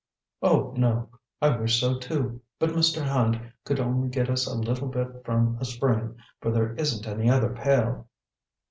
"Oh, no; I wish so, too. But Mr. Hand could only get us a little bit from a spring, for there isn't any other pail."